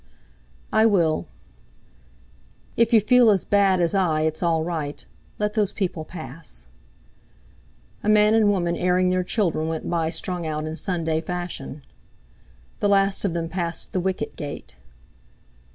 "I will." "If you feel as bad as I it's all right. Let those people pass!" A man and woman airing their children went by strung out in Sunday fashion. The last of them passed the wicket gate.